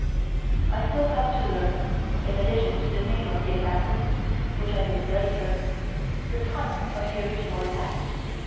"I still had to learn, in addition to the name of the assassin, which I did later, the time of the original attack.